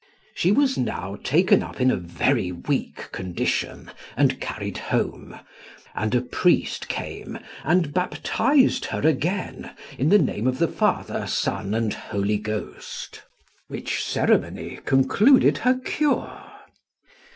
She was now taken up in a very weak condition and carried home, and a priest came and baptised her again in the name of the Father, Son, and Holy Ghost, which ceremony concluded her cure.